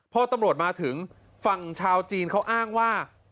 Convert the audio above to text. พอตำรวจมาถึงฝั่งชาวจีนเขาอ้างว่า